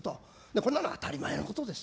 こんなの当たり前のことです。